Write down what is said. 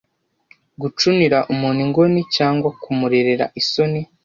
gucunira umuntu ingoni cyangwa kumu rerera inoni;